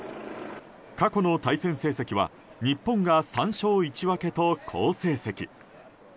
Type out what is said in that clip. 過去の対戦成績は日本が３勝１分けと好成績。